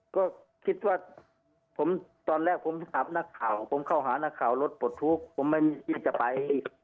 ก็คิดว่าตอนแรกผมถามนักข่าวผมเข้าหานักข่าวรถปลดทุกข์ผมไม่คิดจะไป